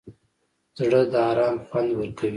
زړه د ارام خوند ورکوي.